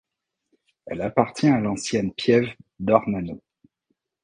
Elle appartient à l'ancienne piève d'Ornano.